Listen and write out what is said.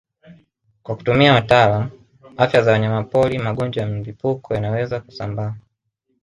Kwa kutumia watalaamu afya za wanyamapori magonjwa ya mlipuko yanayoweza kusambaa